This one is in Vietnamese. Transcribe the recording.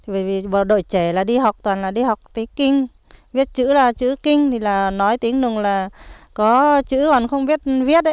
bởi vì bộ đội trẻ là đi học toàn là đi học tiếng kinh viết chữ là chữ kinh thì là nói tiếng nùng là có chữ còn không biết viết